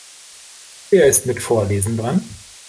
Wer ist mit Vorlesen dran?